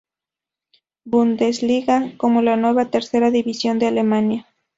Bundesliga como la nueva tercera división de Alemania.